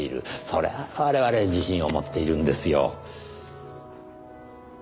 それは我々自信を持っているんですよ。